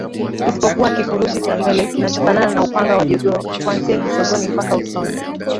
isipokuwa kifurushi cha nywele kinachofanana na upanga wa jogoo kuanzia kisogoni mpaka usoni